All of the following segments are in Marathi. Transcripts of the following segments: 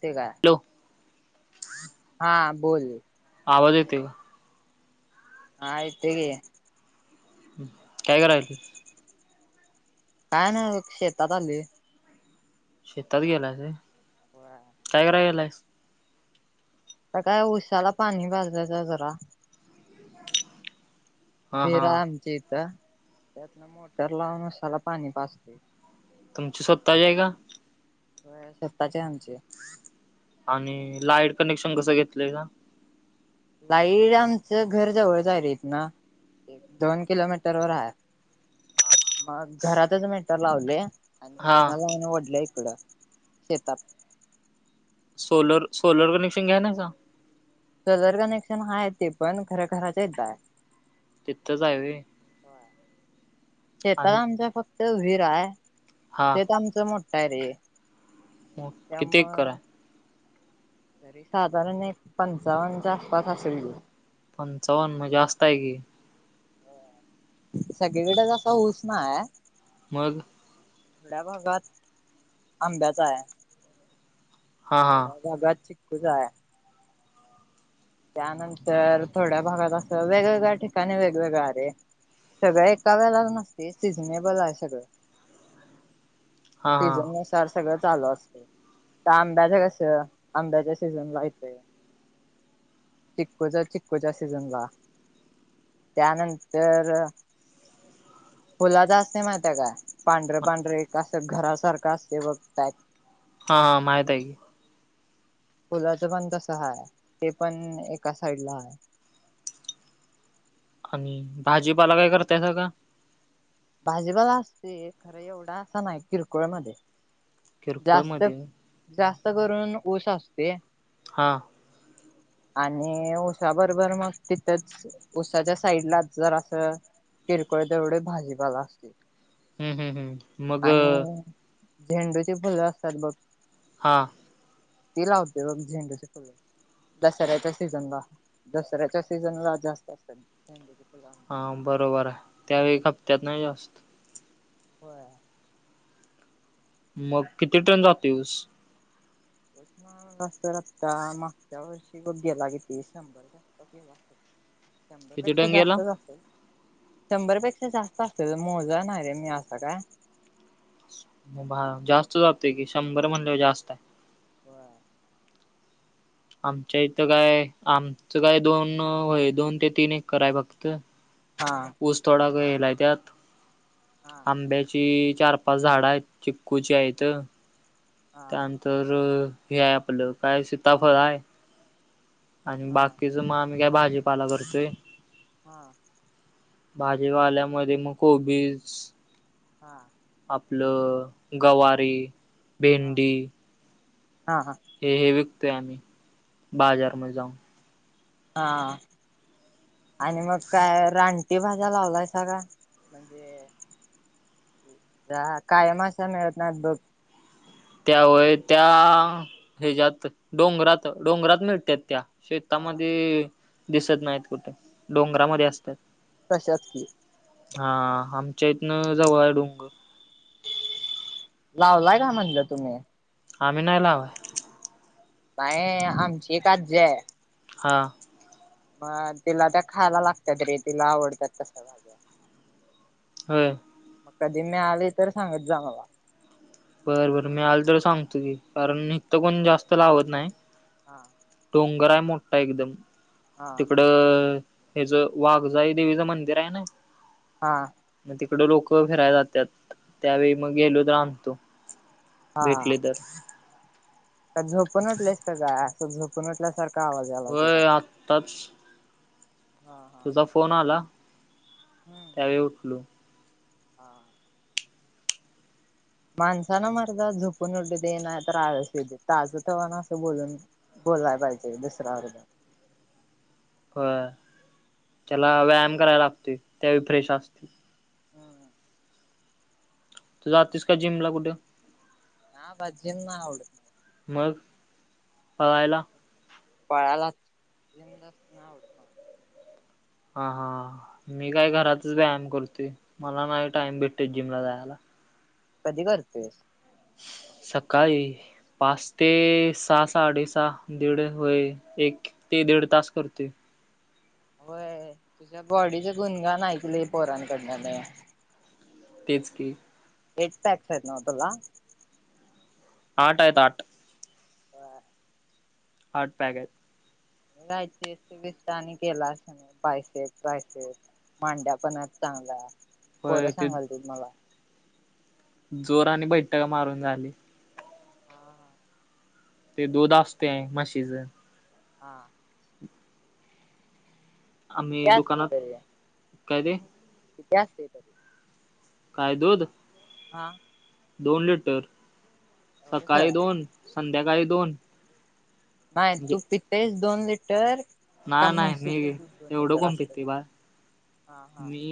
ते कायं? हॅलो हां बोल. आवाज येतोय कां? हां येतोय की. कायं करायला? कायं नाय बघ. शेतात आलोय. शेतात गेलायस व्हय? कायं कराय गेलायस? आता कायं ऊसाला पाणी घालजायला जरा. हा हा बेरा आमच्या इथं. त्यांतन मोटर लावून ऊसाला पाणी पाजतोय. तुमची स्वतःची आहे कां? होय स्वतःची आमची. आणि लाइट कनेक्शन कसं घेतलंय कां? लाईट आमचं घराजवळचं हाय रे इथंन. एक दोन किलोमीटर वर हाय. मगं घरातचं मीटर लावलय. आणि हा तिथन मग वढल्या इकडं शेतात. सोलर सोलर कनेक्शन घ्या नां कां? सोलर कनेक्शन हाय ते पणं. खर्या घराच्या इथ हाय. तेिथंच हाय व्हय? शेतात आमचं फक्तं वीर हाय. हा शेत आमचं मोठ ठयं रे? किेती एकर त्यामुळं हाय? तरी साधारण नाही एक पंचावन्नच्या आसपास असेलं की. पंचावन्न म जास्तंय की. सगळीकडेचं असा ऊसं नाय. मगं? ह्या भागांत आंब्यांचाय. हा हा थोड्याच भागांत चिकूचाय. त्यानंतर थोड्या भागांत असं, वेगवेगळ्या ठिकाणीं वेगवेगळं हाय रे. सगळं एका वेळेला नसते. सिझने बल आहे सगळं. हा हा सिझन वाइस [unintelligible] तस सगळं चालूं असतय. त आंब्याच कसं आंब्यांच्या सीझन ला हेतय. चिक्कोचा, चिकूच्या सीझनला. त्यानंतर फुलाचा असतय माहिती काय? पांढरे- पांढरे एक असं घरासारखं असतय बघ टाइप. हा हा, माहित आहे की. फुलाचं पण कसं हाय, ते पण एका साइडला हाय. आणि भाजीपाला काय करतायसा आता? भाजीपाला असतोय, खरं एवढा असा नाही किरकोळ मध्ये. किरकोळ जास्त, मध्ये व्हय. जास्त करून ऊस असतोय. हां आणि उसा बरोबर मग तिथंच ऊसाच्या साईडला जरा असं, किरकोळ तेवढ भाजीपाला असतोय. हम्म हम्म हम्म मग आणि झेंडूची फुलं असतात बघ. हां. ती लावतोय बघ झेंडुची फुल. दसऱ्याच्या सीझनला, दसऱ्याच्या सीझनला जास्त असत्यात, झेंडूची फूल हा आमची. बरोबर हाय, त्यावेळी खपत्यात नयी जास्त. व्हय. मग किती टन जातोय ऊस? ऊस ना बघता - बघता, मागच्या वर्षी व गेला किती शंभर टन शंभर किती पेक्षा टन गेला जास्त असलं. शंभरपेक्षा जास्त असत्यात, मोजाय नाही रे मी असं काय. म, भा जातोय की, शंभर म्हणलेवर जास्त हाय. [unintelligible] आमच्या इथं काय, आमचं काय दोन, होय दोन ते तीन एकर हाय फक्त. हां. ऊस थोडा बं गेलाय त्यात, हा आंब्या ची, चार -पाच झाडं आहेत, चिक्कूची आहेत. हा त्यानंतर हे हाय आपलं, काय सीताफळ हाय. आणि हा बाकीच म, आम्ही काय भाजीपाला करतोय. हा. भाजीवाल्यामध्ये मग कोबीस. हा. आपलं गवारी, हा. भेंडी. हा, हां. हे, हे विकतोय आम्ही, बाजार मध्ये जाऊन. हां. आणि मग काय रानटी भाज्या लावलायसा का? म्हणजे त्या कायम अशा मिळत नाहीत बघ. त्या होय त्या, हच्या्त डोंगरात, डोंगरात मिळत्यात त्या. हा शेतामध्ये दिसत नाहीत कुठ, हा डोंगरामध्ये असत्यात. तशाच की हा, आमच्या इथनं जवळ हाय डोंगर. लावलाय काय म्हणलं तुम्ही? आम्ही नाही लावाय. नाही आमची एक आज्जी हाय. हां. म, तिला त्या खायला लागतात रे, तिला आवडतात तशा भाज्या. हो. मग कधी नाय आले तर सांगत जा मला बरं बरं मी आल त सांगतो की, कारण मी हीत कोण जास्त लावत नाय हा डोंगर हाय मोठा एकदम हा तिकडं हेज वाघजाई देवीचं मंदिर आहे न हां म तिकडे लोक फिरायला जात्यात त्यावेळी म गेलो त आणतो. हा. भेटले तर का झोपून उटलाईस का काय असं झोपून उटल्यासारखं होय आत्ताच हा हा तुझा फोन आला हम्म त्यावेळी उठलो हां माणसाना मर्दा झोपून उठूदे नायतर आळस येऊदे ताजतवान असं बोलून बोलाय पाहिजे दुसराबरोबर होय त्याला व्यायाम करायला लागतोय त्यावेळी फ्रेश असतोय. अ तु जातेस का जिमला कुठ? हा ब जिम नाय आवड म मग पळायला पळालाचं जिमलाच नाय आवडत. मला. हा हा मी काय घरातच व्यायाम करतोय मला नाय टाइम भेटत जिमला जायाला कधी करतोयेस सकाळी पाच ते सहा साडे सहा दीड होय, एक ते दीड तास करतोय. होय, तुझ्या बॉडीचे गुणगाणं ऐकले पोरांकडना लय तेच की, एट पॅक्स हायेत नव्ह तुला आठ आयेत आठ होय. आठ पॅगं हायेत माहितीये ते [unintelligible] आणि केला असनं बायसेप ट्रायसेप मांड्या पण हायत चांगल्या पोरं होय सांगालतीत मला जोरांनी बैठका मारून झाली. हा हा ते दूध असतय म्हशीच हां आम्ही किती असतय दुकानात तरी काय ते किती असतय तरी काय दूध हा दोन लिटर सकाळी एवढंच दोन संध्याकाळी दोन बाय तू पितेस दोन लिटर का नाय नाय, मी म्हशीचं दूध दोन एवढं लिटर कोण असतय पितय बाळ हा हा मी.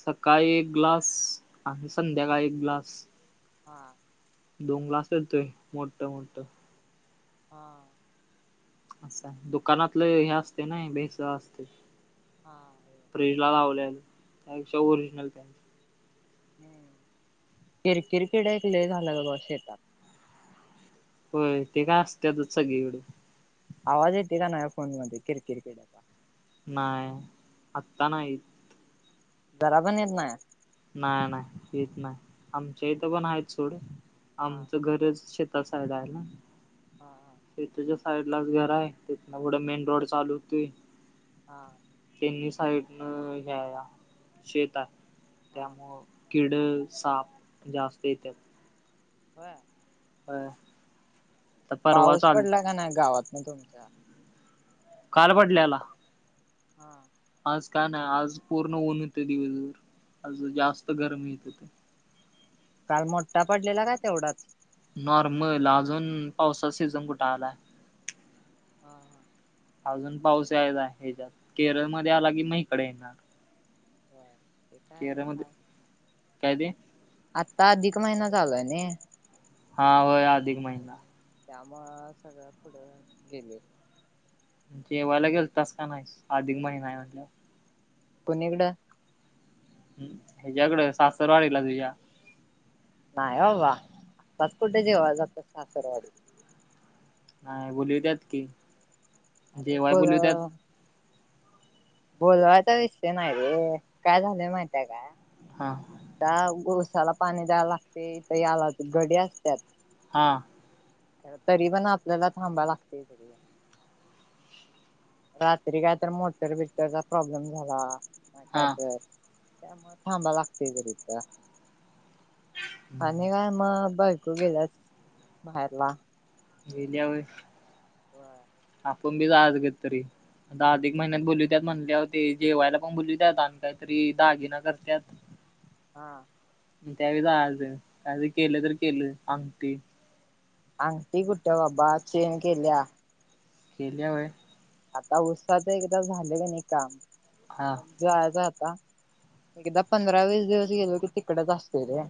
सकाळी एक ग्लास आणि संध्याकाळी एक ग्लास. हा, दोन ग्लास येतोय. मोठं मोठं हा, असाय, दुकानातलं हे असते. नाय भेसळ असते. हा, फ्रीजला लावले त्यापेक्षा ओरिजनल किरकिर किडे एक लय झालं बघ शेतात. होय, ते काय असतातच सगळीकडे. आवाज येतोय का नाही. फोन मध्ये किरकिट किड्या नाय, आत्ता नाही. जरा पण येत नाय, नाय नाय, येत नाय आमच्या इथं पण आहेत. सोड हा आमचं घरच शेत तसा आहे जायला हा साईडलाच घर आहे. तिथ न पुढ मेन रोड चालू होतोय. हा, तिनी साईडन हे ह्या शेत हाय. हा त्यामुळं किड साप जास्त येत. होय, होय, आता परवा पाऊस चाल पडला का नाही? गावात मग तुमच्या काल पडल्याला. हा, आज का नाही. आज पूर्ण ऊन होते, दिवसभर आज जास्त गरमी येत होते. काल मोठा पडलेला का तेवढाच. नॉर्मल अजून पावसाचा पावसाचा सिझन कुठ आलाय. हा हा, अजून पाऊस यायचा, ह्याच्यात केरळमध्ये आला की मग इकडे येणार. व्हय, केरळमध्ये काय ते, आत्ता अधिक महिना चालू आहे ने हा, होय अधिक महिना. त्यामुळं सगळ पुढ होऊन केलंय. देवाला गेल तास का नाही, अधिक महिना म्हटल. कोणीकड ह, ह्याच्याकडे सासुरवाडीला तुझ्या नाही बाबा आत्ताच कुठ देवाला जातात. सासरवाडीत नाही. बोलूव त्यात की, अरे, जेवाय बघ बोलवत्यात बोलवायचा विषय नाही रे! काय झालंय माहित आहे काय. हा, त्या ऊसाला पाणी द्यायला लागतय. इथ याला गडी असत्यात. हा, तरी पण आपल्याला थांबा लागतय. रात्री काय तर मोटर बिटरचा प्रॉब्लेम झाला काय हा तर. काय मग थांबा लागते र तीथ आणि काय मग बाय को गीलीया माहेरला. गेलीया होय? व्हय. आपुण बी जायाच कधी तरी. आता अधिक महिन्यात बोलीवत्यात म्हणल्याव ते जेवायला पण बोलीवत्यात आणि कायतरी दागिना करत्यात. हा. त्यावेळे जायाचं काय त केलं तर केलं अंगठी. अंगटी कुठ बाबा चेन केलिया. केलीया होय? आता ऊसाच एकदा झाले का नाई काम हा मग जायचं आता. एकदा पंधरा वीस दिवस गेलो की तिकडच असतोय रे.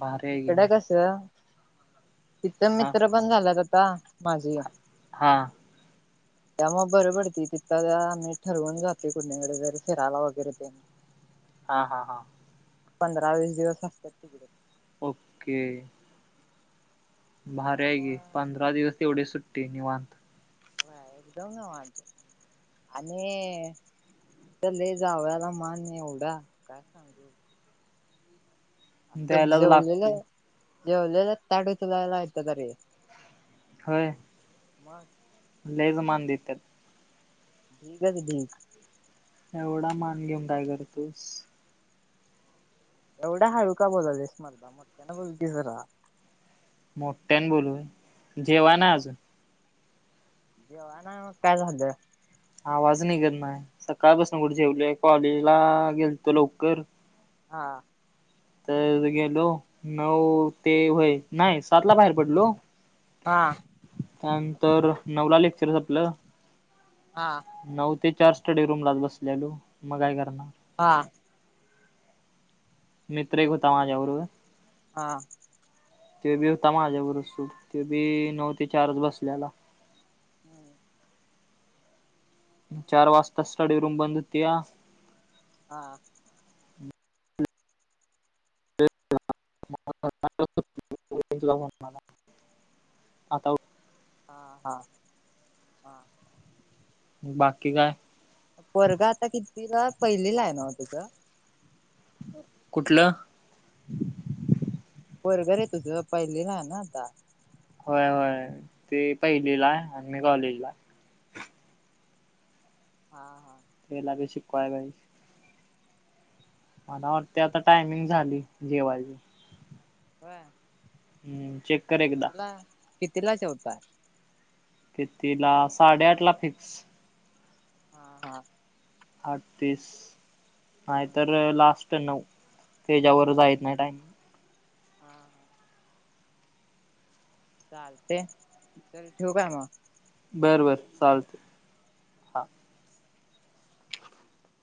भारी आहे की तिकडे मग कस तिथं हा मित्र पण झाल्यात आता माझी. हा. त्यामुळ बर पडतय तिथं आम्ही ठरवून जातोय कुणीकड तर फिरायला वगैरे ते. [inaudible] हा हा हा. पंधरा वीस दिवस असत्यात तिकड. ओके. भार हाय की त्यामुळं पंधरा दिवस तेवढीच सुट्टी निवांत. व्हय एकदम निवांत. आणि तिथ जावायाला मान एवढा काय सांगू. आता द्यायलाच लागते जेवलेलं जेवलेलं ताट उचलायला येत्यात रे. होय. म. लयच मान देत्यात. ढीगच ढीग. एवढा मान घीऊन काय करतोस? एवढ्या हाळू का बोलालीयास मर्दा मोठ्यान बोल कि जरा. मोठ्यान बोलू होऊ जेवाय नाय अजून. जेवाय नाय मग काय झालं? आवाज ननिघत नाय सकाळपसन कुठ जेवलोय कॉलेजला गेलतो लवकर. हा. तर गेलो नऊ ते होय नाय सात ला बाहेर पडलो. हां. त्यानंतर नवला लेक्चर संपलं. हां. नऊ ते चार स्टडी रूमलाच बसलेलो मग काय करणार. हा. मित्र एक हुता माझ्या बरोबर. हा. त्यो बी हुता माझ्या बर सोड त्यो बी नऊ ते चारच बसल्याला. हम्. चार वाजता स्टडी रूम बंद होतीया. हा हा! [unintelligible] हा हा हा! बाकी काय? पोरगा आता कितवी ला पहिलीला आहे नव तुझा. कुठलं. पोरग रे तुज पहिली ला आहे ना आता. होय, होय ते पहिली ला आण मी कॉलेजला. हा हा! ते लागे शिकवाय बाई. अन आता ते आता टायमिंग झालय जेवायच. व्हयं! हूं चेक कर एकदा कितीला कितीला जेवताय. कितीला साडेआठ ला फिक्स. हा हा! आठतीस नाहीतर हम्म लास्ट नऊ, त्याच्यावर जायीत नाही टाइम. हा हा! चालतेय चल ठेवू काय म. बर बर चालत.